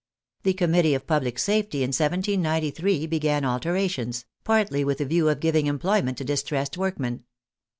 The Committee of Public Safety in 1793 began alterations, partly with a view of giving employment to distressed workmen.